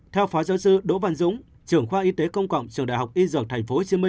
theo phó giáo sư đỗ văn dũng trưởng khoa y tế công cộng trường đại học y dược tp hcm